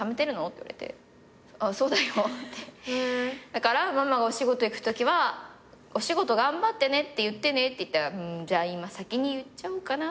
だからママがお仕事行くときはお仕事頑張ってねって言ってねって言ったら「うんじゃ今先に言っちゃおうかな」